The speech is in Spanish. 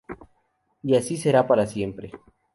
Y así será para siempre.